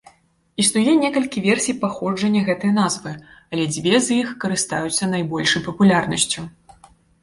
Існуе некалькі версій паходжання гэтай назвы, але дзве з іх карыстаюцца найбольшай папулярнасцю.